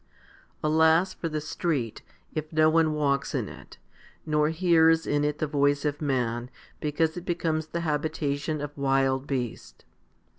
Alas for the street, if no one walks in it, nor hears in it the voice of man, because it becomes the habitation of wild beasts.